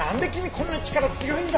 こんなに力強いんだ！？